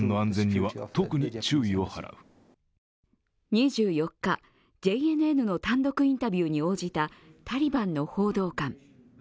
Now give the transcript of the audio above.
２４日、ＪＮＮの単独インタビューに応じたタリバンの報道官。